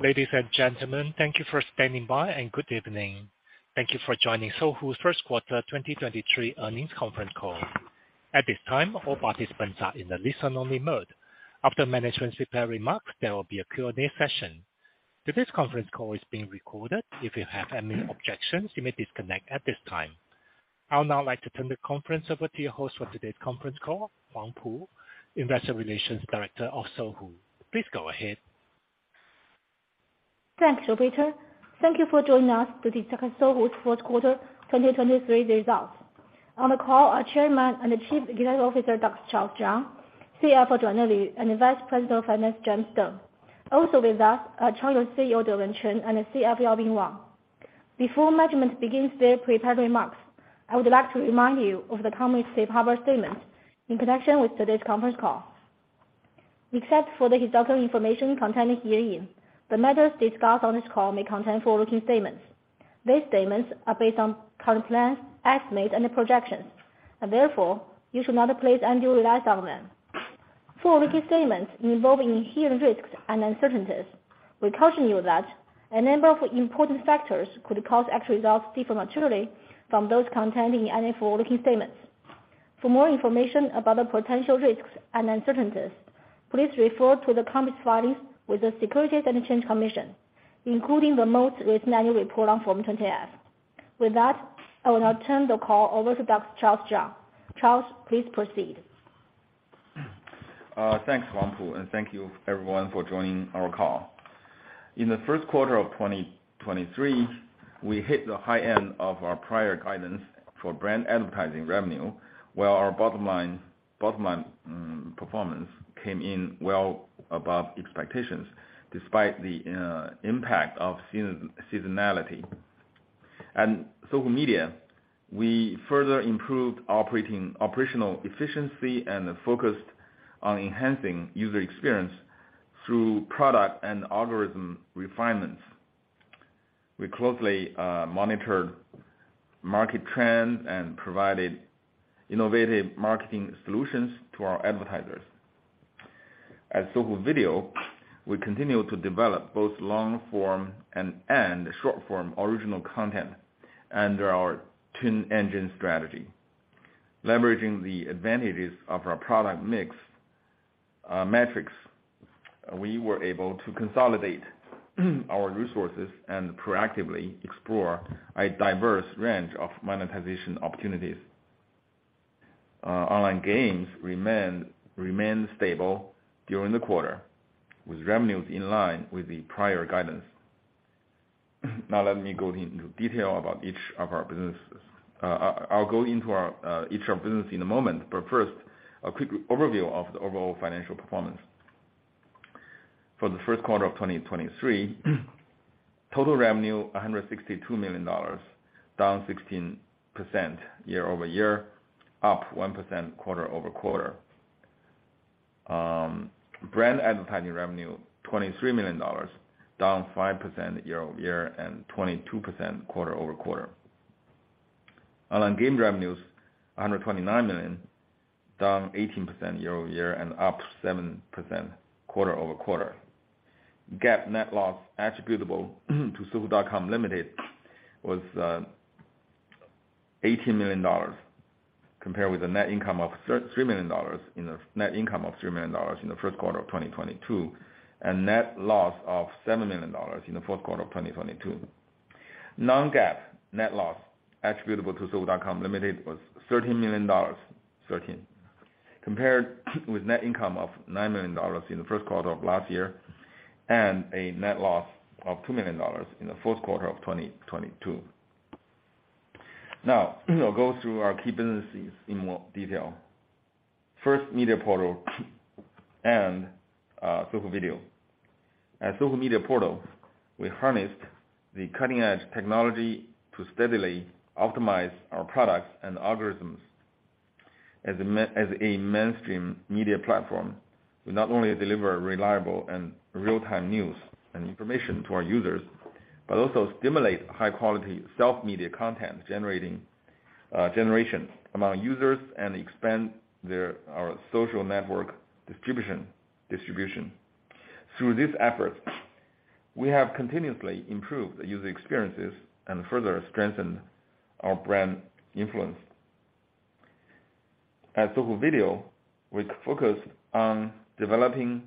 Ladies and gentlemen, thank you for standing by, and good evening. Thank you for joining Sohu's Q1 2023 Earnings Conference Call. At this time, all participants are in a listen-only mode. After management's prepared remarks, there will be a Q&A session. Today's conference call is being recorded. If you have any objections, you may disconnect at this time. I'll now like to turn the conference over to your host for today's conference call, Huang Pu, Investor Relations Director of Sohu. Please go ahead. Thanks, operator. Thank you for joining us to discuss Sohu's Q1 2023 results. On the call are Chairman and Chief Executive Officer, Dr. Charles Zhang, CFO, Joanna Lv, and Vice President of Finance, James Deng. Also with us are Changyou CEO Dewen Chen, and CFO, Yaobin Wang. Before management begins their prepared remarks, I would like to remind you of the company's safe harbor statement in connection with today's conference call. Except for the historical information contained herein, the matters discussed on this call may contain forward-looking statements. These statements are based on current plans, estimates and projections, and therefore you should not place undue reliance on them. Forward-looking statements involving inherent risks and uncertainties. We caution you that a number of important factors could cause actual results differ materially from those contained in any forward-looking statements. For more information about the potential risks and uncertainties, please refer to the company's filings with the Securities and Exchange Commission, including the most recent annual report on Form 20-F. With that, I will now turn the call over to Dr. Charles Zhang. Charles, please proceed. Thanks, Huang Pu. Thank you everyone for joining our call. In the Q1 of 2023, we hit the high end of our prior guidance for brand advertising revenue, while our bottom line performance came in well above expectations despite the impact of seasonality. At Sohu Media, we further improved operational efficiency and focused on enhancing user experience through product and algorithm refinements. We closely monitored market trends and provided innovative marketing solutions to our advertisers. At Sohu Video, we continue to develop both long-form and short-form original content under our Twin Engine strategy. Leveraging the advantages of our product mix metrics, we were able to consolidate our resources and proactively explore a diverse range of monetization opportunities. Online games remain stable during the quarter, with revenues in line with the prior guidance. Now let me go into detail about each of our businesses. I'll go into our each of our business in a moment, but first, a quick overview of the overall financial performance. For the Q1 of 2023, total revenue, $162 million, down 16% year-over-year, up 1% quarter-over-quarter. Brand advertising revenue, $23 million, down 5% year-over-year, and 22% quarter-over-quarter. Online game revenues, $129 million, down 18% year-over-year and up 7% quarter-over-quarter. GAAP net loss attributable to Sohu.com Limited was $80 million compared with a net income of $3 million in the net income of $3 million in the Q1 of 2022, and net loss of $7 million in the Q4 of 2022. Non-GAAP net loss attributable to Sohu.com Limited was $13 million, compared with net income of $9 million in the Q1 of last year, and a net loss of $2 million in the Q4 of 2022. Now, I'll go through our key businesses in more detail. First, Sohu Media Portal and Sohu Video. At Sohu Media Portal, we harnessed the cutting-edge technology to steadily optimize our products and algorithms. As a mainstream media platform, we not only deliver reliable and real-time news and information to our users, but also stimulate high quality self-media content generating generation among users and expand our social network distribution. Through this effort, we have continuously improved the user experiences and further strengthened our brand influence. At Sohu Video, we focus on developing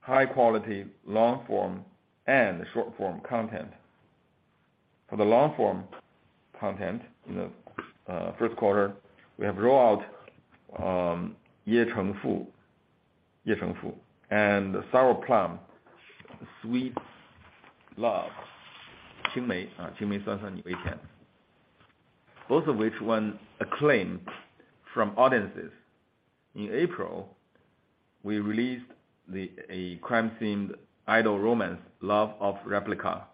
high quality long-form and short-form content. For the long-form content in the Q1, we have rolled out Ye Cheng Fu, and The Sour Plum Sweet Love, Qing Mei Suan Suan Ni Wei Tian, both of which won acclaim from audiences. In April, we released a crime scene idol romance, Love of Replica,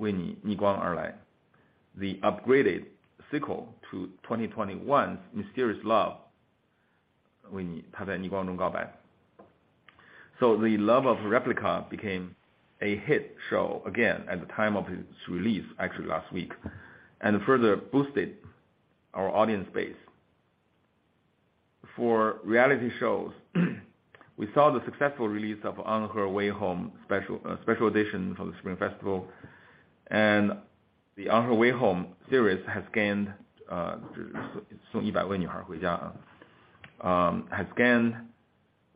Wei Ni Ni Guang Er Lai, the upgraded sequel to 2021's Mysterious Love, Wei Ni, Ta Zai Ni Guang Zhong Gao Bai. The Love of Replica became a hit show again at the time of its release, actually last week, and further boosted our audience base. For reality shows, we saw the successful release of On Her Way Home special edition from the Spring Festival. The On Her Way Home series has gained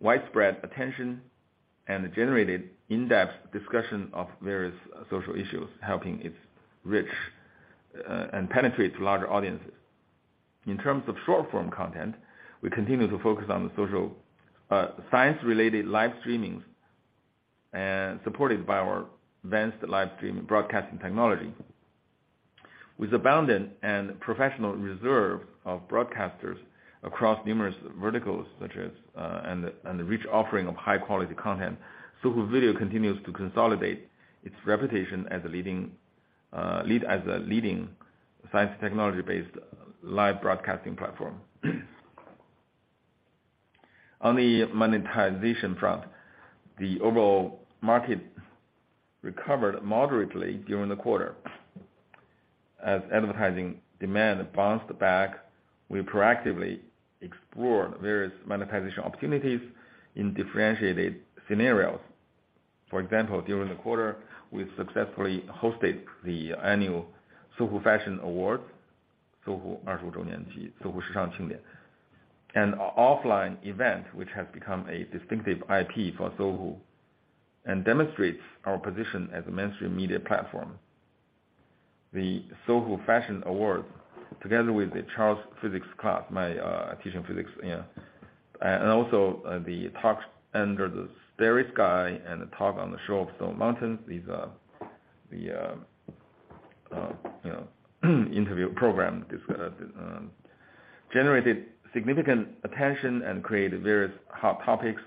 widespread attention and generated in-depth discussion of various social issues, helping its reach and penetrate larger audiences. In terms of short-form content, we continue to focus on the social, science-related live streamings, and supported by our advanced live streaming broadcasting technology. With abundant and professional reserve of broadcasters across numerous verticals such as, and the rich offering of high quality content, Sohu Video continues to consolidate its reputation as a leading science technology-based live broadcasting platform. On the monetization front, the overall market recovered moderately during the quarter. As advertising demand bounced back, we proactively explored various monetization opportunities in differentiated scenarios. For example, during the quarter, we successfully hosted the annual Sohu Fashion Awards, Sohu and offline event, which has become a distinctive IP for Sohu, and demonstrates our position as a mainstream media platform. The Sohu Fashion Award, together with the Charles' Physics Class, my teaching physics, you know. The Talks Under the Starry Sky and the Talks by the Stone Well is, you know, interview program generated significant attention and created various hot topics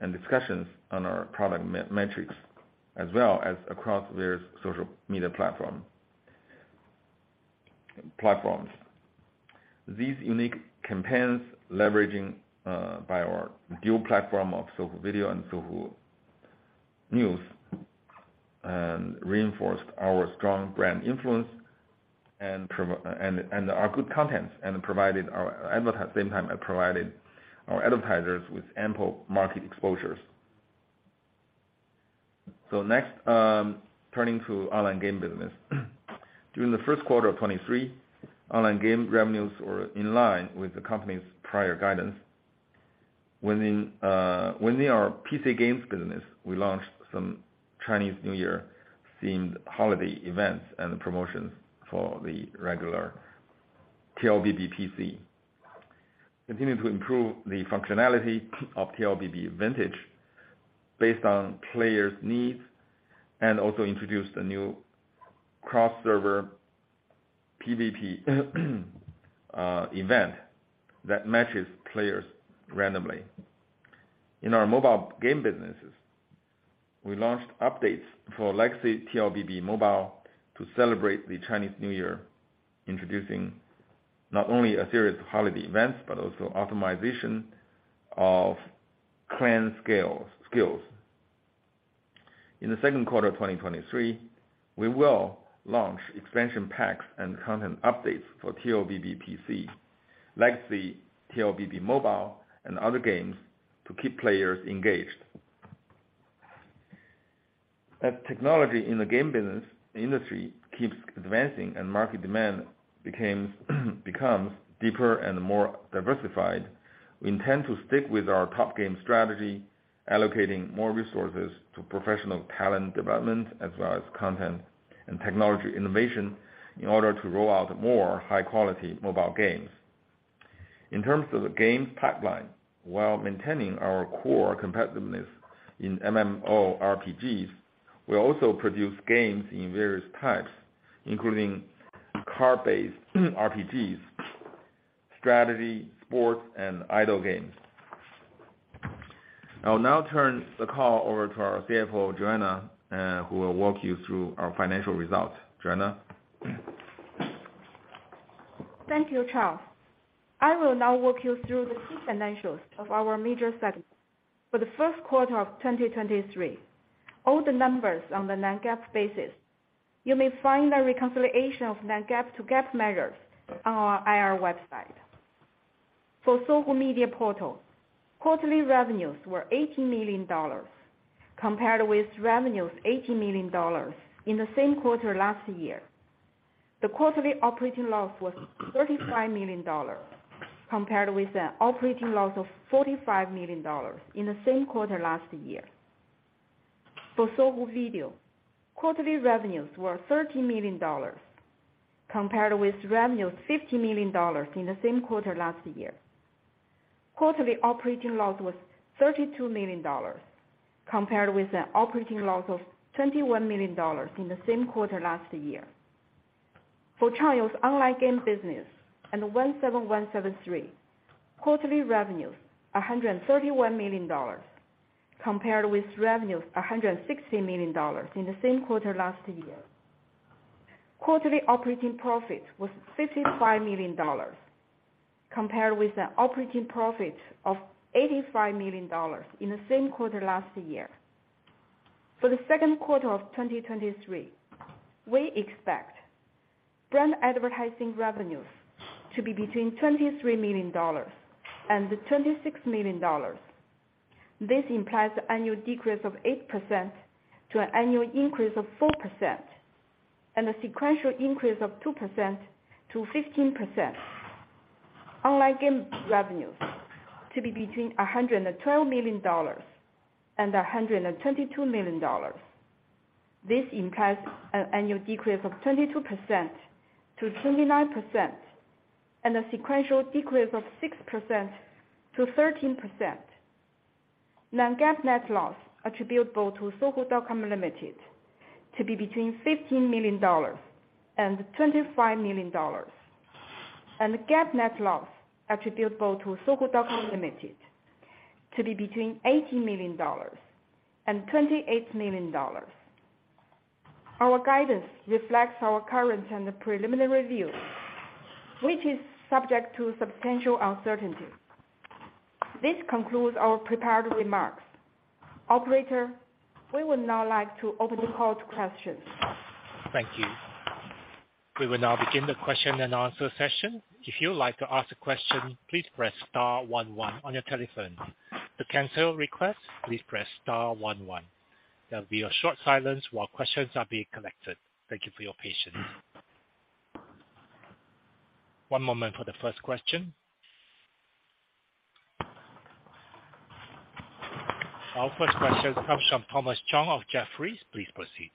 and discussions on our product metrics, as well as across various social media platforms. These unique campaigns leveraging by our dual platform of Sohu Video and Sohu News, and reinforced our strong brand influence, and our good contents, and provided our advertisers with ample market exposures. Next, turning to online game business. During the Q1 of 2023, online game revenues were in line with the company's prior guidance. Within our PC games business, we launched some Chinese New Year-themed holiday events and promotions for the regular TLBB PC. Continued to improve the functionality of TLBB Vintage based on players' needs, and also introduced a new cross-server PVP event that matches players randomly. In our mobile game businesses, we launched updates for Legacy TLBB Mobile to celebrate the Chinese New Year, introducing not only a series of holiday events, but also optimization of clan scales, skills. In the Q2 of 2023, we will launch expansion packs and content updates for TLBB PC, Legacy TLBB Mobile, and other games to keep players engaged. As technology in the game business industry keeps advancing and market demand becomes deeper and more diversified, we intend to stick with our top game strategy, allocating more resources to professional talent development, as well as content and technology innovation in order to roll out more high-quality mobile games. In terms of the games pipeline, while maintaining our core competitiveness in MMORPGs, we also produce games in various types, including card-based RPGs, strategy, sports, and idle games. I will now turn the call over to our CFO, Joanna, who will walk you through our financial results. Joanna? Thank you, Charles. I will now walk you through the key financials of our major segments for the Q1 of 2023. All the numbers on the non-GAAP basis. You may find a reconciliation of non-GAAP to GAAP measures on our IR website. For Sohu Media Portal, quarterly revenues were $80 million, compared with revenues $80 million in the same quarter last year. The quarterly operating loss was $35 million, compared with an operating loss of $45 million in the same quarter last year. For Sohu Video, quarterly revenues were $30 million, compared with revenues $50 million in the same quarter last year. Quarterly operating loss was $32 million, compared with an operating loss of $21 million in the same quarter last year. For Changyou's online game business and the 17173.com, quarterly revenues, $131 million, compared with revenues $160 million in the same quarter last year. Quarterly operating profit was $55 million, compared with an operating profit of $85 million in the same quarter last year. For the Q2 of 2023, we expect brand advertising revenues to be between $23 million and $26 million. This implies annual decrease of 8% to an annual increase of 4%, and a sequential increase of 2% to 15%. Online game revenues to be between $112 million and $122 million. This implies an annual decrease of 22%-29% and a sequential decrease of 6%-13%. Non-GAAP net loss attributable to Sohu.com Limited to be between $15 million and $25 million. GAAP net loss attributable to Sohu.com Limited to be between $80 million and $28 million. Our guidance reflects our current and preliminary view, which is subject to substantial uncertainty. This concludes our prepared remarks. Operator, we would now like to open the call to questions. Thank you. We will now begin the question and answer session. If you would like to ask a question, please press star one one on your telephone. To cancel request, please press star one one. There'll be a short silence while questions are being collected. Thank you for your patience. One moment for the first question. Our first question comes from Thomas Chong of Jefferies. Please proceed.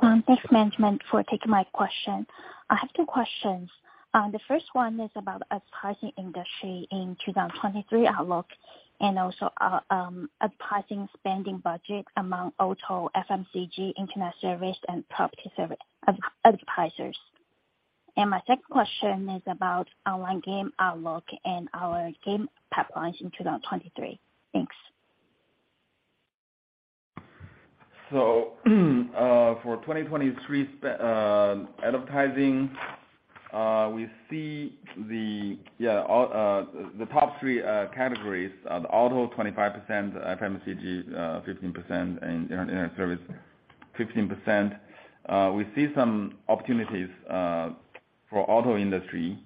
Thanks management for taking my question. I have two questions. The first one is about advertising industry in 2023 outlook, and also, advertising spending budget among auto FMCG, internet service and property service advertisers. My second question is about online game outlook and our game pipelines in 2023. Thanks. For 2023 advertising, we see the top three categories, the auto 25%, FMCG 15% and internet service 15%. We see some opportunities for auto industry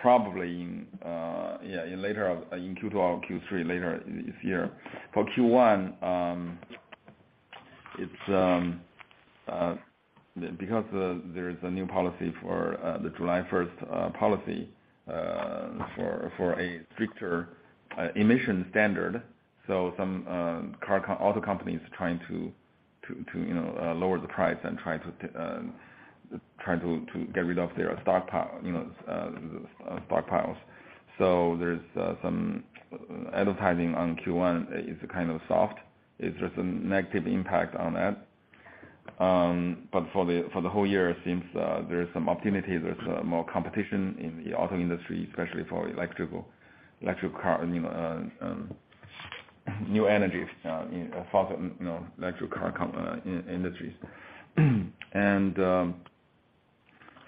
probably in later of in Q2 or Q3 later this year. For Q1, it's because there's a new policy for the July 1st policy for a stricter emission standard. Some auto companies trying to, you know, lower the price and try to get rid of their stockpile, you know, stockpiles. There's some advertising on Q1 is kind of soft. It's just a negative impact on that. For the, for the whole year, since there's some opportunities, there's more competition in the auto industry, especially for electrical, electric car, you know, new energies, you know, electric car industries.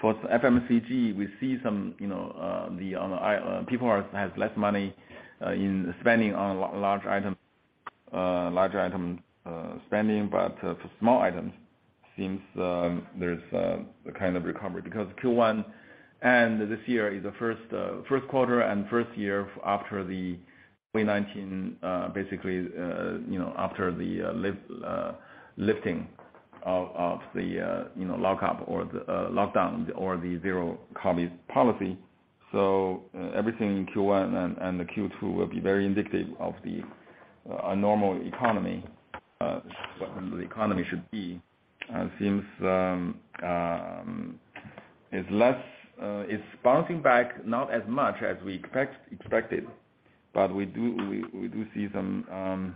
For FMCG, we see some, you know, the people are, has less money in spending on large item, larger item spending. For small items, since there's a kind of recovery. Because Q1 and this year is the first Q1 and first year after the COVID-19, basically, you know, after the lifting of the, you know, lockup or the lockdown or the zero COVID policy. Everything in Q1 and Q2 will be very indicative of a normal economy, the economy should be, since is less, is bouncing back not as much as we expected. We do see some,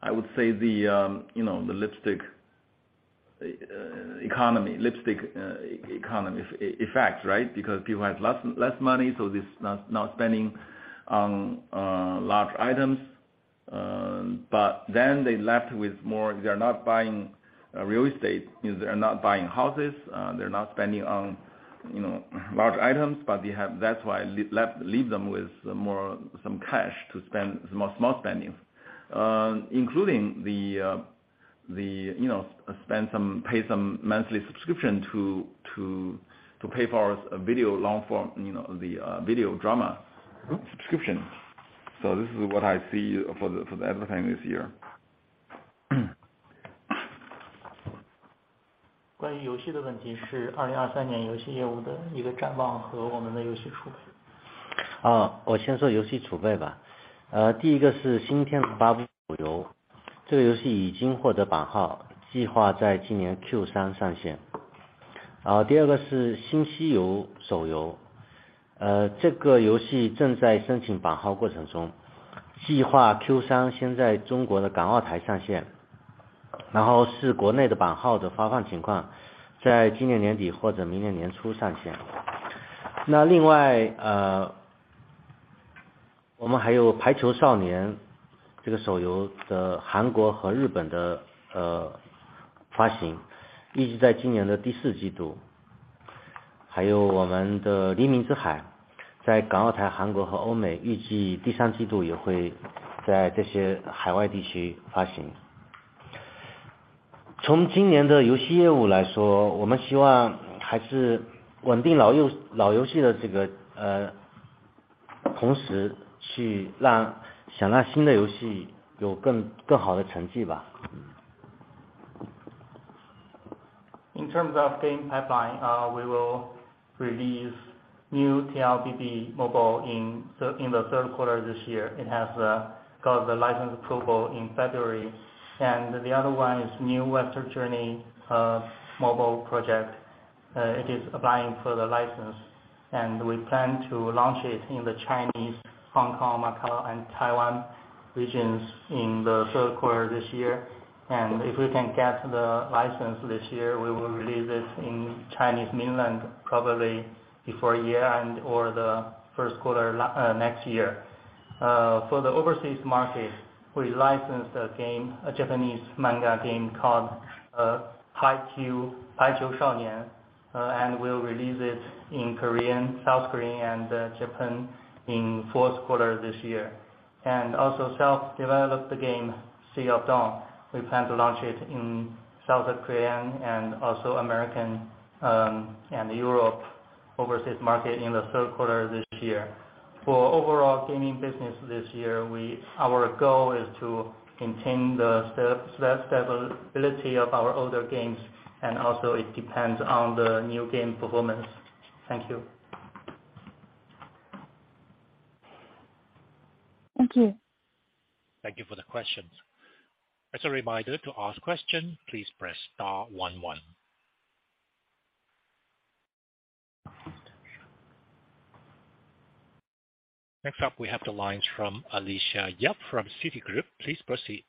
I would say the, you know, the lipstick economy, lipstick economy effect, right? Because people have less money, so this not spending on large items. They're left with more. They're not buying real estate, they're not buying houses, they're not spending on, you know, large items. They have, that's why left, leave them with more, some cash to spend, more small spending. Including the, you know, spend some, pay some monthly subscription to pay for a video long form, you know, the video drama subscription. This is what I see for the advertising this year. 还有我们的 Sea of Dawn 在港、澳、台、韩国和欧美预计第三季度也会在这些海外地区发行。从今年的游戏业务来 说， 我们希望还是稳定老游戏的这 个， 同时去让，想让新的游戏更好的成绩吧。In terms of game pipeline, we will release new TLBB mobile in the Q3 this year. It has got the license approval in February. The other one is New Westward Journey mobile project. It is applying for the license, and we plan to launch it in the Chinese, Hong Kong, Macau, and Taiwan regions in the Q3 this year. If we can get the license this year, we will release it in Chinese mainland, probably before a year and/or the Q1 next year. For the overseas market, we licensed a game, a Japanese manga game called Haikyu!!, and we'll release it in Korean, South Korean, and Japan in Q4 this year. Also self-developed the game Sea of Dawn. We plan to launch it in South Korea and also American and Europe overseas market in the Q3 this year. For overall gaming business this year, our goal is to maintain the stability of our older games, and also it depends on the new game performance. Thank you. Thank you. Thank you for the questions. As a reminder, to ask question, please press star one one. Next up, we have the lines from Alicia Yap from Citigroup. Please proceed.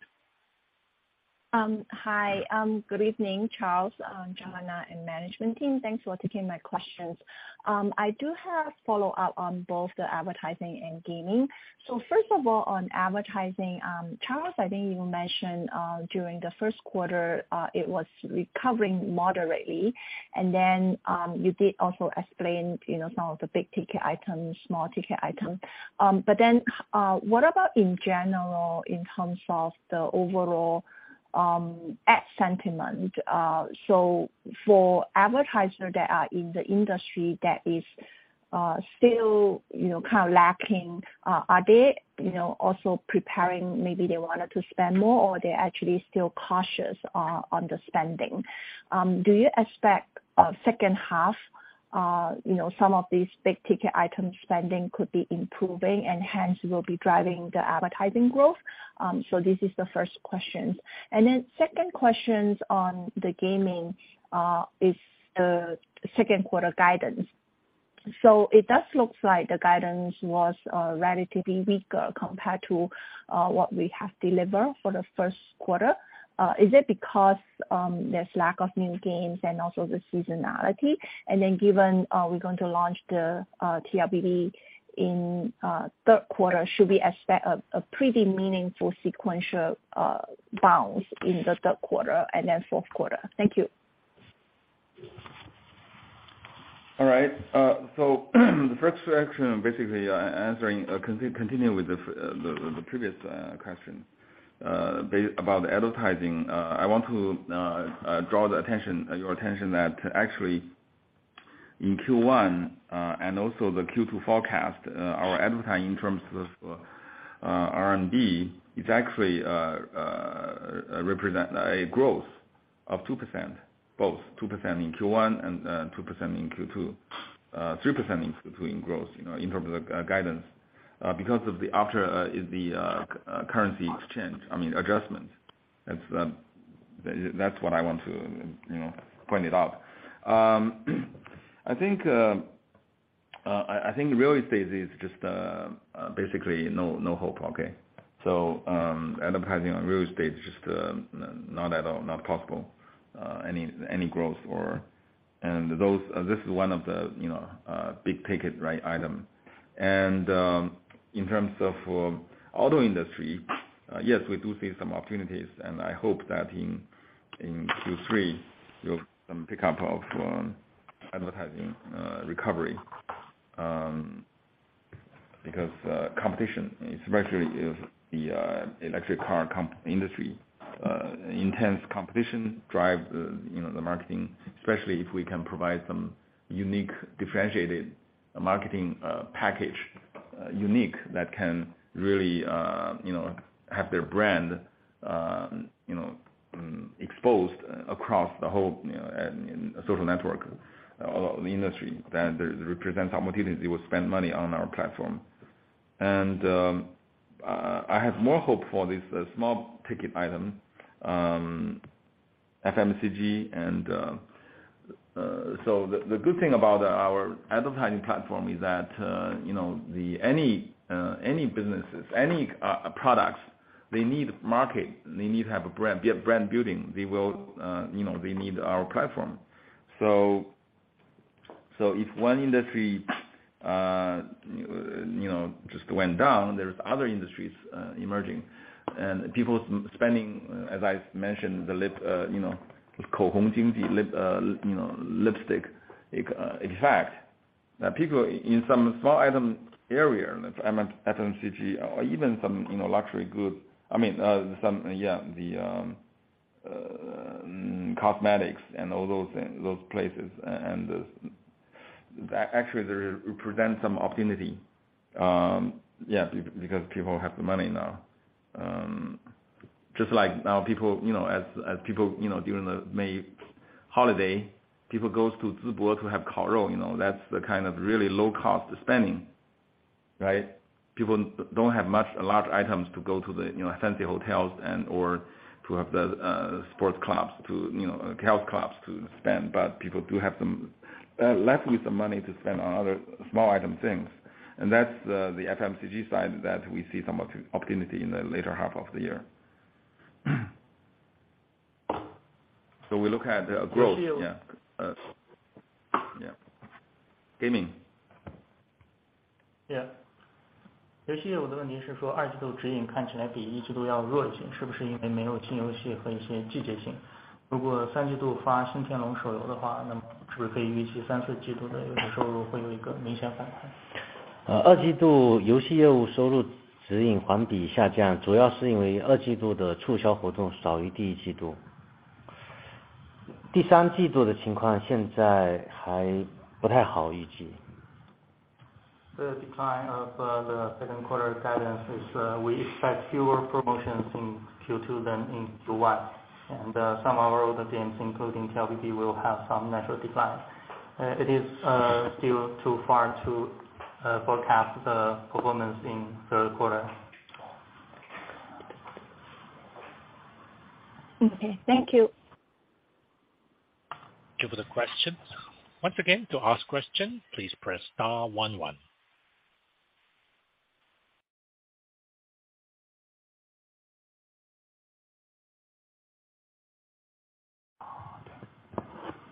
Hi. Good evening, Charles, Joanna and management team. Thanks for taking my questions. I do have follow-up on both the advertising and gaming. First of all, on advertising, Charles, I think you mentioned during the Q1, it was recovering moderately. You did also explain, you know, some of the big-ticket items, small-ticket items. What about in general in terms of the overall ad sentiment? For advertisers that are in the industry that is still, you know, kind of lacking, are they, you know, also preparing, maybe they wanted to spend more or they're actually still cautious on the spending? Do you expect second half, you know, some of these big-ticket item spending could be improving and hence will be driving the advertising growth? This is the first question. Second question on the gaming is the Q2 guidance. It does look like the guidance was relatively weaker compared to what we have delivered for the Q1. Is it because there's lack of new games and also the seasonality? Given we're going to launch the TLBB in Q3, should we expect a pretty meaningful sequential bounce in the Q3 and then Q4? Thank you. All right. The first question, basically, answering, continue with the previous question about advertising. I want to draw the attention, your attention that actually in Q1, and also the Q2 forecast, our advertising in terms of RMB is actually represent a growth of 2%, both 2% in Q1 and 2% in Q2. 3% in Q2 in growth, you know, in terms of guidance, because of the after the currency exchange, I mean, adjustments. That's what I want to, you know, point it out. I think real estate is just basically no hope. Okay? Advertising on real estate is just not at all, not possible, any growth or. This is one of the, you know, big-ticket right item. In terms of auto industry, yes, we do see some opportunities, and I hope that in Q3, we'll see some pick up of advertising recovery, because competition, especially if the electric car industry, intense competition drive the, you know, the marketing, especially if we can provide some unique differentiated marketing package, unique that can really, you know, have their brand, you know, exposed across the whole, you know, in social network industry, then there represents opportunities. They will spend money on our platform. I have more hope for this small-ticket item, FMCG and. The good thing about our advertising platform is that, you know, any businesses, any products, they need market, they need to have a brand, be a brand building. They will, you know, they need our platform. If one industry, you know, just went down, there's other industries emerging and people spending, as I mentioned, the lipstick effect, that people in some small item area, that's FMCG or even some, you know, luxury goods. I mean, some, the cosmetics and all those places and actually they present some opportunity, because people have the money now. Just like now people, you know, as people, you know, during the May Holiday, people goes to Zibo to have kao rou. You know, that's the kind of really low-cost spending, right? People don't have much large items to go to the, you know, fancy hotels and or to have the sports clubs to, you know, health clubs to spend. People do have some left with some money to spend on other small item things. That's the FMCG side that we see some opportunity in the later half of the year. We look at growth. Thank you. Yeah. yeah. Gaming. Yeah. Okay. Thank you. Thank you for the question. Once again, to ask question, please press star one one.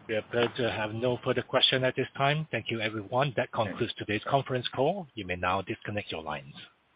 We appear to have no further question at this time. Thank you everyone. That concludes today's conference call. You may now disconnect your lines.